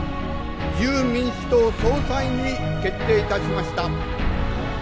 自由民主党総裁に決定いたしました。